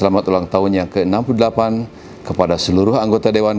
selamat ulang tahun yang ke enam puluh delapan kepada seluruh anggota dewan